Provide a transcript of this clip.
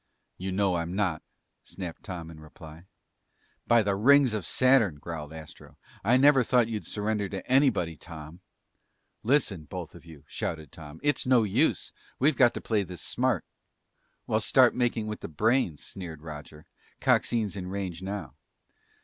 "You know I'm not," snapped Tom in reply. "By the rings of Saturn," growled Astro, "I never thought you'd surrender to anybody, Tom!" "Listen, both of you!" shouted Tom. "It's no use! We've got to play this smart!" "Well, start making with the brains," sneered Roger. "Coxine's in range now."